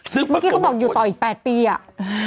เมื่อกี้เขาบอกอยู่ต่ออีก๘ปีอ่ะ